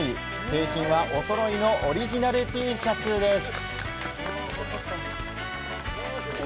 景品はおそろいのオリジナルＴシャツです。